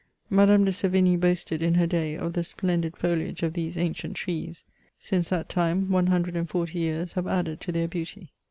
Madame de Sevigny boasted, in her day, of the splendid foliage of these ancient trees ; since that time, one hundred and forty years have added to their beauty.